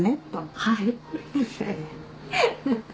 はい。